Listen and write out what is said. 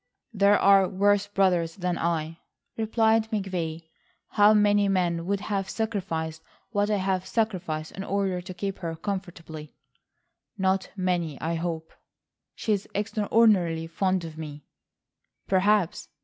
"There are worse brothers than I," replied McVay, "how many men would have sacrificed what I have sacrificed in order to keep her comfortably." "Not many, I hope." "She is extraordinarily fond of me." "Perhaps.